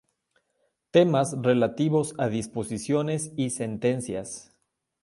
Temas relativos a disposiciones y sentencias.